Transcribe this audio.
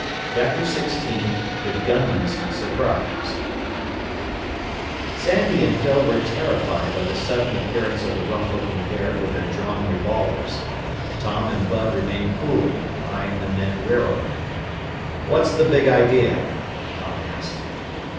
CHAPTER XVI THE GUNMAN'S SURPRISE Sandy and Phyl were terrified by the sudden appearance of the rough looking pair with their drawn revolvers. Tom and Bud remained cool, eying the men warily. "What's the big idea?" Tom asked.